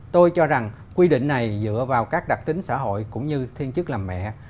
tôi cho rằng quy định này dựa vào các đặc tính xã hội cũng như thiên chức làm mẹ